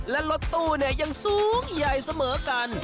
และรถตู้เนี่ยยังสูงใหญ่เสมอกัน